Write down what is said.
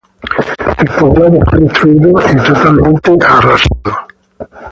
El poblado fue destruido y totalmente arrasado.